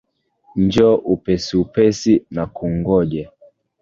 Njoo upesi upesi nakungoja.